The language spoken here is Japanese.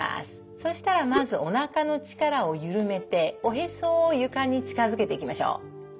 そしたらまずおなかの力を緩めておへそを床に近づけていきましょう。